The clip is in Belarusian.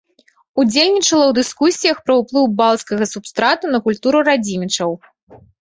Удзельнічала ў дыскусіях пра ўплыў балцкага субстрату на культуру радзімічаў.